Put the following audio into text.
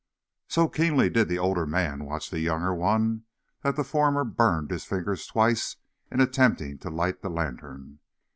So keenly did the older man watch the younger one that the former burned his fingers twice in attempting to light the lantern.